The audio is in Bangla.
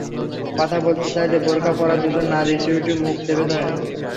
কথা বলতে চাইলে বোরকা পরা দুজন নারী শিশুটির মুখ চেপে ধরেন।